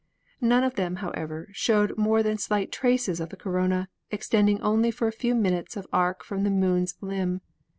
None of them, how ever, showed more than slight traces of the corona, ex tending only for a few minutes of arc from the Moon's; limb.